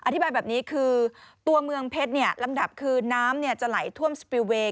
อธิบายแบบนี้คือตัวเมืองเพชรลำดับคือน้ำจะไหลท่วมสปิลเวย์